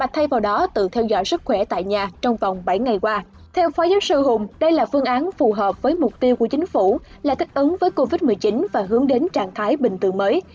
theo phó giáo sư hùng đây là phương án phù hợp với mục tiêu của chính phủ là tích ứng với covid một mươi chín và hướng đến trạng thái bình thường mới